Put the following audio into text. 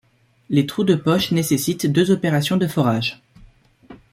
Les trous de poche nécessitent deux opérations de forage.